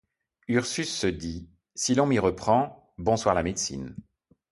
Ursus se dit: — Si l’on m’y reprend! — Bonsoir la médecine !